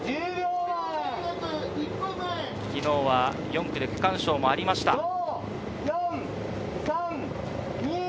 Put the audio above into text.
昨日は４区で区間賞もありました。